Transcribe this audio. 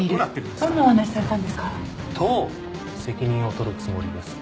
どう責任を取るつもりですか？